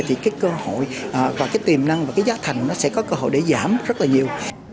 thì cơ hội và tiềm năng và giá thành sẽ có cơ hội để giảm rất là nhiều